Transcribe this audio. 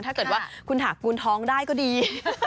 ถ้าเกิดว่าคุณถากูลท้องได้ก็ดี